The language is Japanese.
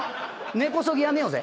根こそぎ辞めようぜ。